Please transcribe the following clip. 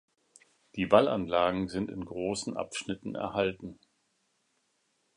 Die Wallanlagen sind in großen Abschnitten erhalten.